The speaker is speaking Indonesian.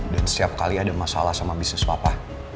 dan setiap kali ada masalah sama bisnis papa